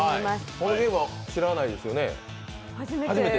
このゲームは知らないですよね？